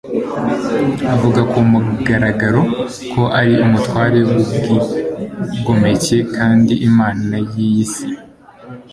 Avuga ku mugaragaro ko ari umutware w'ubwigomeke kandi imana y'iyi si.